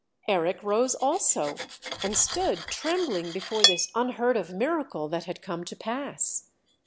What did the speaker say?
Eric rose also, and stood trembling before this unheard of miracle that had come to pass.